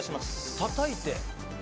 たたいて？